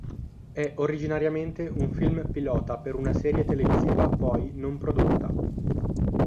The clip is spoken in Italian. È originariamente un film pilota per una serie televisiva poi non prodotta.